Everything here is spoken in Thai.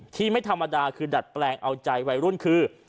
ที่ไม่ธรรมดาคือดัดแปลงเอาใจวัยรุ่นคือ